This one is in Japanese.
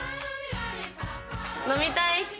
飲みたい人？